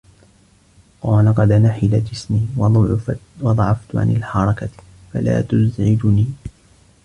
قَالَ قَدْ نَحِلَ جِسْمِي وَضَعُفْتُ عَنْ الْحَرَكَةِ فَلَا تُزْعِجُنِي